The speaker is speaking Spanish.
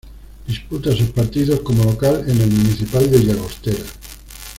Disputa sus partidos como local en el Municipal de Llagostera.